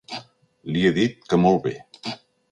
Li he dit que molt bé.